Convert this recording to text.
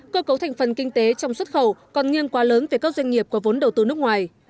cơ cấu thành phần kinh tế trong xuất khẩu còn nghiêng quá lớn về các doanh nghiệp có vốn đầu tư nước ngoài